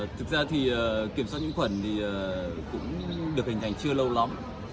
thực ra thì kiểm soát nhiễm khuẩn thì cũng được hình thành chưa lâu lắm